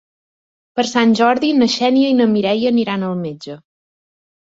Per Sant Jordi na Xènia i na Mireia aniran al metge.